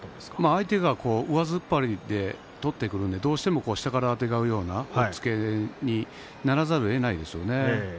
相手が上突っ張りで取ってくるので下からあてがうような押っつけにならざるをえないですね。